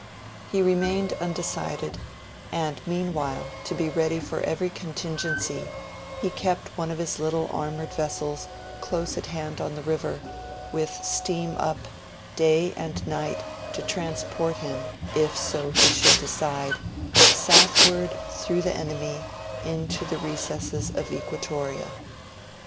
He remained undecided; and meanwhile, to be ready for every contingency, he kept one of his little armoured vessels close at hand on the river, with steam up, day and night, to transport him, if so he should decide, southward, through the enemy, to the recesses of Equatoria.